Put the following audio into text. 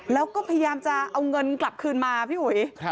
แล้วก็พยายามจะเอาเงินกลับคืนมาพี่อุ๋ย